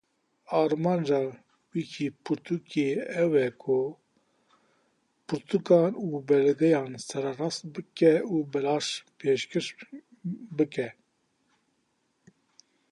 Armanca Wîkîpirtûkê ew e ku pirtûkan û belgeyan sererast bike û belaş pêşkêş bike.